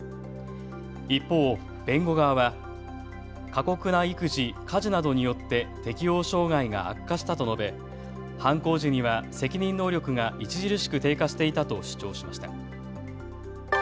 一方、弁護側は過酷な育児、家事などによって適応障害が悪化したと述べ犯行時には責任能力が著しく低下していたと主張しました。